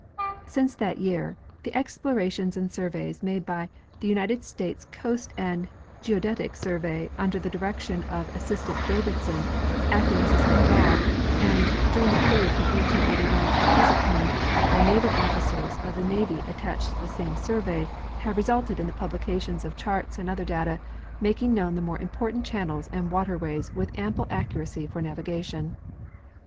Since that year the explorations and sur veys made by the United States Coast and Geodetic survey under the direction of Assistant Davidson, acting Assistant Dall, and, during the period from 1881 to the present time, by naval officers of the navy attached to the same survey, have resulted in the 24 H. F. Reid — jShtdies of Muir Glacier. publications of charts and other data making known the more important channels and waterways with ample accuracj'' for, navigation.